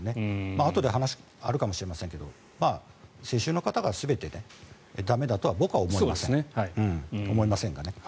あとで話があるかもしれないですが世襲の方が全て駄目だとは僕は思いませんがね。